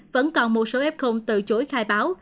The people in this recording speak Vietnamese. vẫn còn một số ép không từ chối khai báo